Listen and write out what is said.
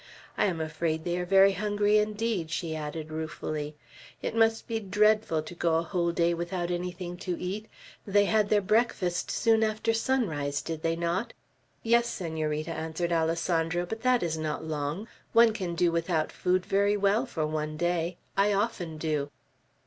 I am afraid they are very hungry indeed," she added ruefully. "It must be dreadful to go a whole day without anything to eat; they had their breakfast soon after sunrise, did they not?" "Yes, Senorita," answered Alessandro, "but that is not long; one can do without food very well for one day. I often do."